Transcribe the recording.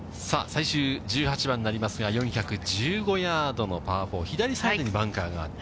最終１８番になりますが、４１５ヤードのパー４、左サイドにバンカーがあって。